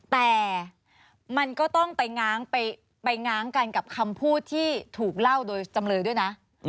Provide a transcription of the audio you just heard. แต่มันก็ต้องไปง้างกันกับคำพูดที่ถูกเล่าโดยจำเลยด้วยนะ